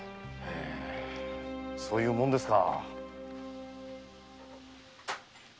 そういうもんですか。